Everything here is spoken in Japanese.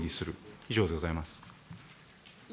以上でございます。